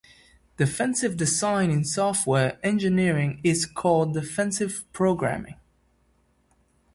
Defensive design in software engineering is called defensive programming.